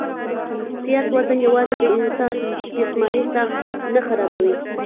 زيات وزن يواځې د انسان جسماني ساخت نۀ خرابوي